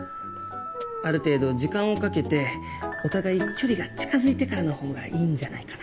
ある程度時間をかけてお互い距離が近づいてからの方がいいんじゃないかな？